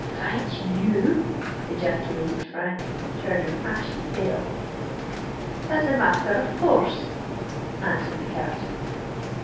"Fight you?" ejaculated Frank, turning ashy pale. "As a matther of cour rse!" answered the Captain.